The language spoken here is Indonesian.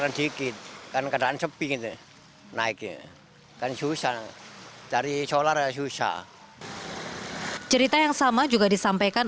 sedikit dan keadaan sepi ini naiknya dan susah dari solar susah cerita yang sama juga disampaikan